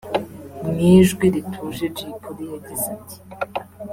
Mu ijwi rituje Jay Polly yagize ati